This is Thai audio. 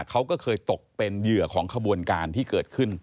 เขาก็เคยตกเป็นเหยื่อของขบวนการที่เกิดขึ้น